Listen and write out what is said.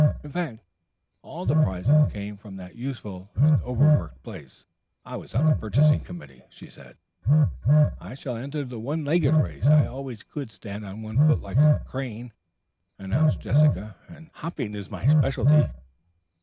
"In fact, all the prizes came from that useful and overworked place. I was on the purchasing committee." "I shall enter the one legged race. I always could stand on one foot like a crane," announced Jessica, "and hopping is my specialty."